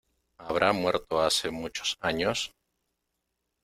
¿ habrá muerto hace muchos años?